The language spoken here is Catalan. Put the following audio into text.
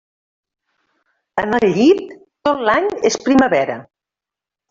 En el llit, tot l'any és primavera.